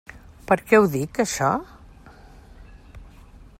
Per què ho dic, això?